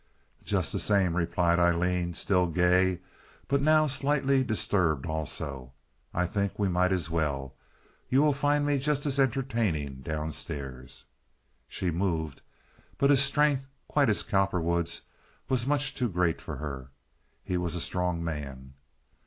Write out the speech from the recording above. "Just the same," replied Aileen, still gay, but now slightly disturbed also, "I think we might as well. You will find me just as entertaining downstairs." She moved, but his strength, quite as Cowperwood's, was much too great for her. He was a strong man.